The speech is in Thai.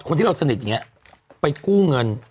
คนที่เราสนิทอย่างนี้ไปกู้เงิน